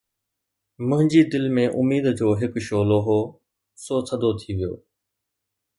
منهنجي دل ۾ اميد جو هڪ شعلو هو، سو ٿڌو ٿي ويو